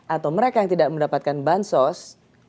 atau mereka yang tidak mendapatkan bansos